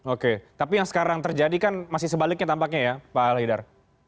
oke tapi yang sekarang terjadi kan masih sebaliknya tampaknya ya pak alhidar